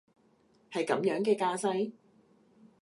係噉樣嘅架勢？